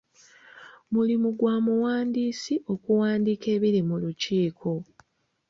Mulimu gwa muwandiisi okuwandiika ebiri mu lukiiko.